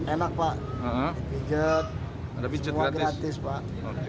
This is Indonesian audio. enak pak pijat semua gratis pak